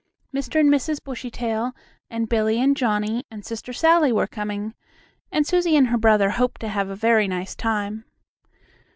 Mr. and Mrs. Bushytail and Billie and Johnnie and Sister Sallie were coming, and Susie and her brother hoped to have a very nice time.